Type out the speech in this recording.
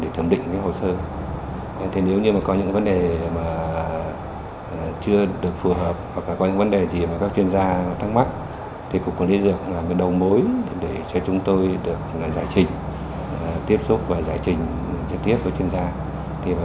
thì cục quản lý dược là người đầu mối để cho chúng tôi được giải trình tiếp xúc và giải trình chi tiết của chuyên gia